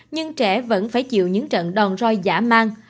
nhưng trẻ vẫn phải chịu những trận đòn roi giả mang